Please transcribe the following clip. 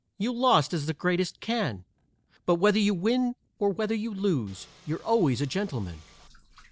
You lost as the greatest can; But whether you win or whether you lose You're always a gentleman.